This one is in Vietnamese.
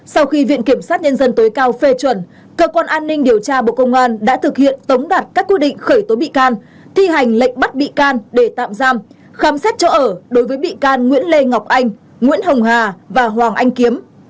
sau khi viện kiểm sát nhân dân tối cao phê chuẩn cơ quan an ninh điều tra bộ công an đã thực hiện tống đặt các quy định khởi tố bị can thi hành lệnh bắt bị can để tạm giam khám xét chỗ ở đối với bị can nguyễn lê ngọc anh nguyễn hồng hà và hoàng anh kiếm